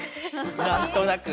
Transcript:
何となく。